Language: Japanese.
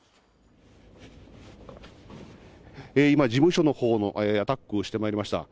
今、事務所のほうのアタックをしてまいりました。